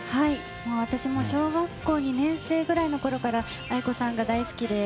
私はもう小学校２年生ぐらいのころからａｉｋｏさんが大好きで。